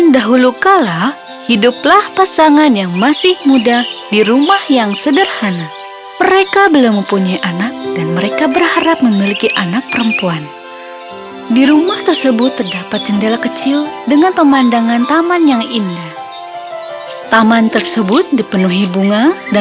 domen bahasa indonesia